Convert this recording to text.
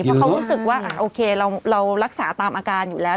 เพราะเขารู้สึกว่าโอเคเรารักษาตามอาการอยู่แล้ว